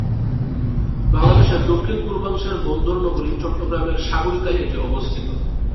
বাংলাদেশের দক্ষিণ-পূর্বাংশের বন্দর নগরী চট্টগ্রামের সাগরিকায় এটি অবস্থিত।